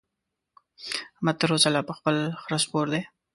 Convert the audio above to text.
احمد تر اوسه لا پر خپل خره سپور دی.